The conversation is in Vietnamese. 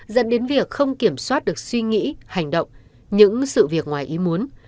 dẫn đến việc không kiểm soát được suy nghĩ hành động những sự việc ngoài ý muốn